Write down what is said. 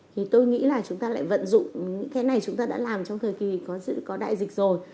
thì tôi nghĩ là chúng ta lại vận dụng những cái này chúng ta đã làm trong thời kỳ có đại dịch rồi